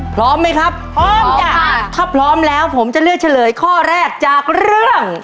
พร้อมไหมครับพร้อมจ้ะถ้าพร้อมแล้วผมจะเลือกเฉลยข้อแรกจากเรื่อง